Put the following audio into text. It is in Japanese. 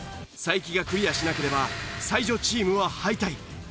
才木がクリアしなければ才女チームは敗退。